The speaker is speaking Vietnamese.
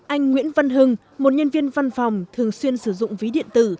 anh nguyễn văn hưng một nhân viên văn phòng thường xuyên sử dụng ví điện tử